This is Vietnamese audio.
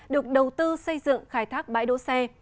được đầu tư xây dựng khai thác bãi đỗ xe